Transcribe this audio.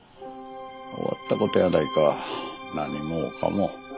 終わった事やないか何もかも。